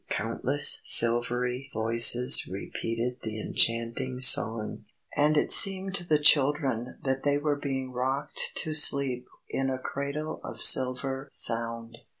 Countless silvery voices repeated the enchanting song. And it seemed to the children that they were being rocked to sleep in a cradle of silver sound.